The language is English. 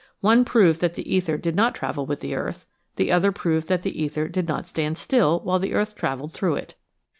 Ohe proved that the ether did not travel with the earth. The other proved that the ether did not stand still while the earth traveled through it.